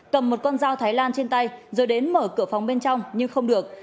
cầm một con dao thái lan trên tay rồi đến mở cửa phòng bên trong nhưng không được